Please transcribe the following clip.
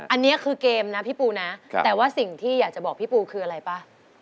อันนี้คือเกมนะพี่ปูนะแต่ว่าสิ่งที่อยากจะบอกพี่ปูคืออะไรป่ะ